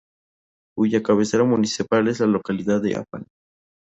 Cuya cabecera municipal es la localidad de Apan.